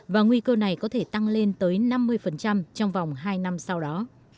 và nguy cơ này có thể tăng lên tới năm mươi trong vòng hai năm sau đó